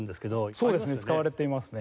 そうですね使われていますね。